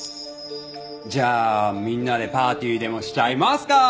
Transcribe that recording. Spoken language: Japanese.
じゃあみんなでパーティーでもしちゃいますか！